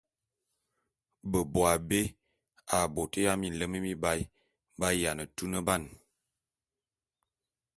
Beboabé a bôt ya minlem mibaé b’ayiane tuneban.